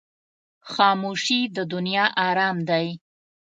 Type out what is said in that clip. خاموشي، د دنیا آرام دی.